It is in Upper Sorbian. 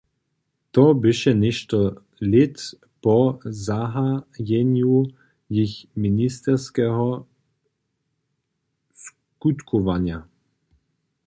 To běše něšto lět po zahajenju jich misionskeho skutkowanja.